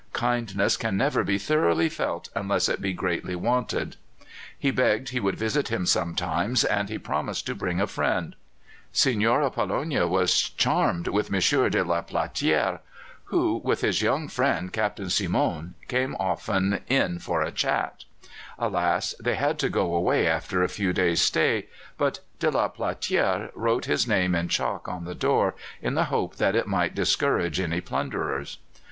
Kindness can never be thoroughly felt unless it be greatly wanted. He begged he would visit him sometimes, and he promised to bring a friend. Señora Pollonia was charmed with M. de la Platière, who, with his young friend Captain Simon, often came in for a chat. Alas! they had to go away after a few days' stay, but de la Platière wrote his name in chalk on the door, in the hope that it might discourage any plunderers.